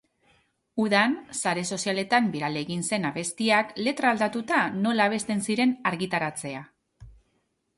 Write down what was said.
Udan sare sozialetan biral egin zen abestiak letra aldatuta nola abesten ziren argitaratzea.